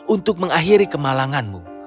untuk mengakhiri kemalanganmu